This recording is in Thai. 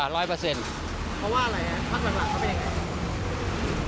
เขาว่าอะไรภักด์หลังเขาเป็นอย่างไร